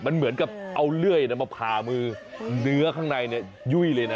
มันเหมือนกับเอาเลื่อยมาผ่ามือเนื้อข้างในยุ่ยเลยนะ